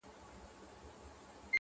هېره دي وعده د لطافت او د عطا نسي-